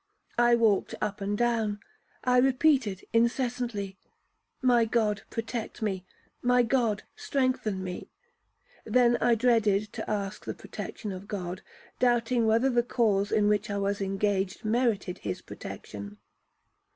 I walked up and down, I repeated incessantly, 'My God protect me! my God strengthen me!' Then I dreaded to ask the protection of God, doubting whether the cause in which I was engaged merited his protection.